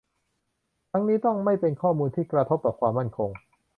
ทั้งนี้ต้องไม่เป็นข้อมูลที่กระทบต่อความมั่นคง